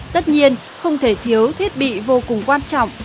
tất nhiên không thể thiếu thiết bị vô cùng quan trọng